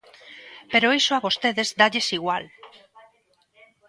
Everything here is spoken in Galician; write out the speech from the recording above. Pero iso a vostedes dálles igual.